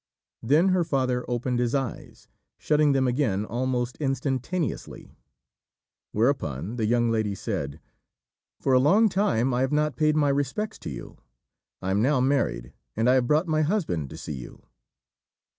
Then her father opened his eyes, shutting them again almost instantaneously; whereupon the young lady said, "For a long time I have not paid my respects to you. I am now married, and I have brought my husband to see you."